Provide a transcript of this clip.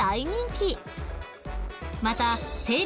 ［また］